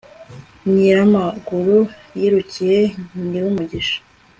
nyiramaguru yirukiye nyirumugisha